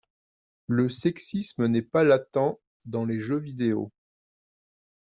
Le sexisme n’est pas latent dans les jeux vidéo.